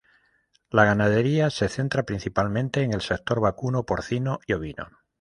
La ganadería se centra principalmente en el sector vacuno, porcino y ovino.